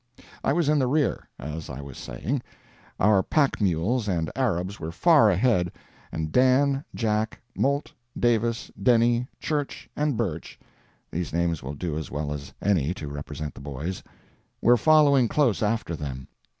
I was in the rear, as I was saying. Our pack mules and Arabs were far ahead, and Dan, Jack, Moult, Davis, Denny, Church, and Birch (these names will do as well as any to represent the boys) were following close after them.